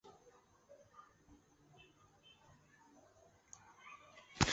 格罗索立功啦！